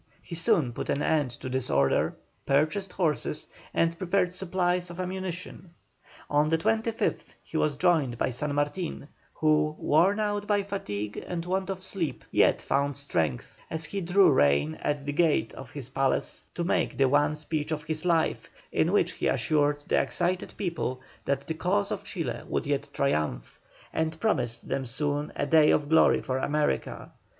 He soon put an end to disorder, purchased horses, and prepared supplies of ammunition. On the 25th he was joined by San Martin, who, worn out by fatigue and want of sleep, yet found strength as he drew rein at the gate of his palace to make the one speech of his life, in which he assured the excited people that the cause of Chile would yet triumph, and promised them soon a day of glory for America.